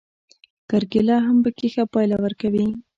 کرکېله هم پکې ښه پایله ورکوي.